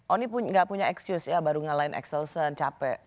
oh ini gak punya excuse ya baru ngalahin excelson capek